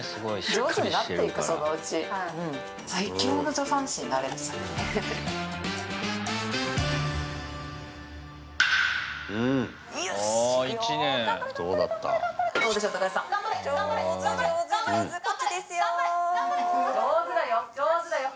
上手だよ、上手だよ、よし！